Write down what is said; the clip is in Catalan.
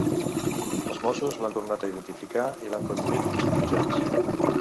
Els mossos l’han tornat a identificar i l’han conduït fins als jutjats.